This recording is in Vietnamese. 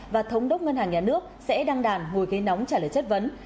và thống đốc ngân hàng nhà nước sẽ đăng đàn ngồi ghế nóng trả lời chất vấn